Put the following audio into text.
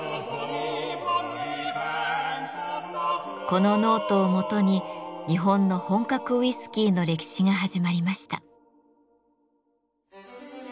このノートをもとに日本の本格ウイスキーの歴史が始まりました。